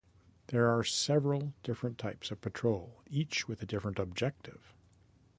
There are several different types of patrol each with a different objective.